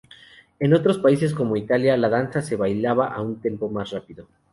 En otros países como Italia la danza se bailaba a un tempo más rápido.